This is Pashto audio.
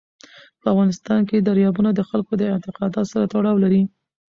په افغانستان کې دریابونه د خلکو د اعتقاداتو سره تړاو لري.